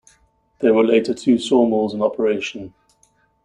There were later two saw mills in operation.